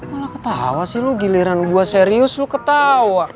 malah ketawa sih lu giliran gue serius lo ketawa